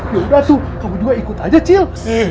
yaudah tuh kamu juga ikut aja cil